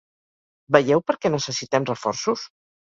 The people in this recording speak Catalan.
¿Veieu per què necessitem reforços?